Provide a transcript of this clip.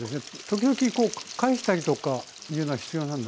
時々こう返したりとかいうのは必要なんでしょうか？